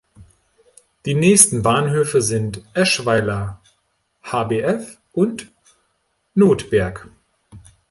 Die nächsten Bahnhöfe sind „Eschweiler Hbf“ und „Nothberg“.